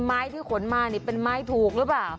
ไม้ที่ค้นมาใช้แล้วเป็นใช้ถูกหรือเปล่า